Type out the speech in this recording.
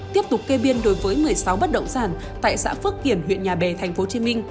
tiếp tục kê biên đối với một mươi sáu bất động sản tại xã phước kiển huyện nhà bè tp hcm